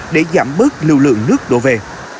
để giảm bớt lưu lượng nước đổ về